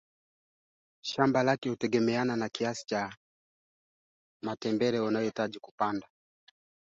Maeneo yanayopata ugonjwa mara kwa mara wanyama asili tano hadi kumi wanaweza kufa